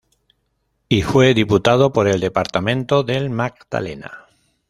Y fue diputado por el departamento del Magdalena.